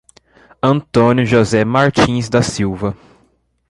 Antônio José Martins da Silva